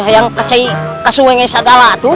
yang kecay kasu wengesadala tuh